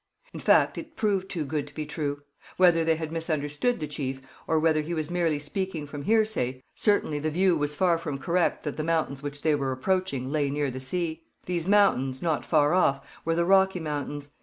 In fact, it proved too good to be true. Whether they had misunderstood the chief, or whether he was merely speaking from hearsay, certainly the view was far from correct that the mountains which they were approaching lay near the sea. These mountains, not far off, were the Rocky Mountains.